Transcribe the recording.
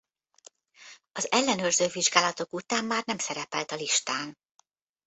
Az ellenőrző vizsgálatok után már nem szerepelt a listán.